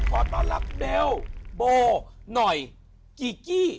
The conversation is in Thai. ก็ต้องรับเบลโบหน่อยกิกิ